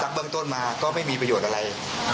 เบื้องต้นมาก็ไม่มีประโยชน์อะไร